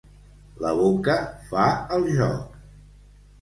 La boca fa el joc.